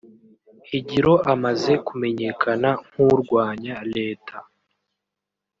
Higiro amaze kumenyekana nk’urwanya Leta